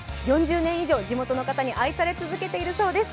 ４０年以上地元の方に愛され続けているそうです。